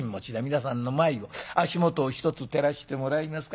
皆さんの前を足元を一つ照らしてもらいますか。